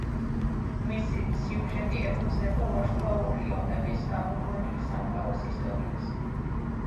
მისი სიუჟეტი ეფუძნება ვარსკვლავური ომების გამოგონილი სამყაროს ისტორიას.